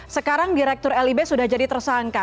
sekarang direktur lib sudah jadi tersangka